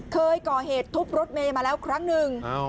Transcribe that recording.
เคยก่อเหตุทุบรถเมย์มาแล้วครั้งหนึ่ง